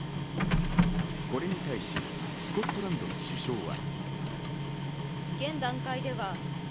これに対し、スコットランドの首相は。